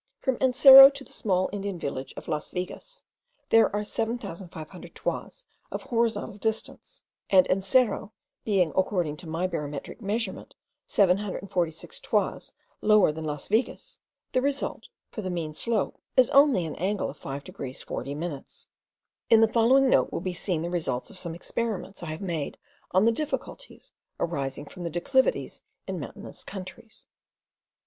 From Encero to the small Indian village of Las Vigas, there are 7500 toises of horizontal distance; and Encero being, according to my barometric measurement, 746 toises lower than Las Vigas, the result, for the mean slope, is only an angle of 5 degrees 40 minutes. In the following note will be seen the results of some experiments I have made on the difficulties arising from the declivities in mountainous countries.